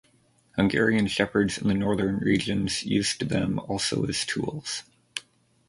Hungarian shepherds in the northern regions used them also as tools.